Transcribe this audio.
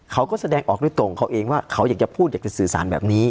เขาก็แสดงออกด้วยตัวของเขาเองว่าเขาอยากจะพูดอยากจะสื่อสารแบบนี้